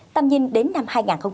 tâm nhìn đến năm hai nghìn hai mươi năm